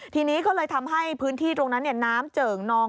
ทีนี้ก็เลยทำให้พื้นที่ตรงนั้นน้ำเจิ่งนอง